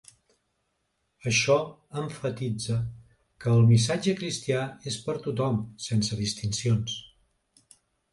Això emfatitza que el missatge cristià és per a tothom, sense distincions.